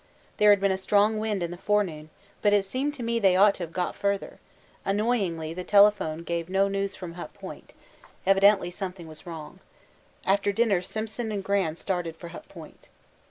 There had been a strong wind in the forenoon, but it seemed to me they ought to have got further annoyingly the telephone gave no news from Hut Point, evidently something was wrong. After dinner Simpson and Gran started for Hut Point.